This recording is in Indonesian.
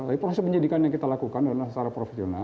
jadi proses penyelidikan yang kita lakukan adalah secara profesional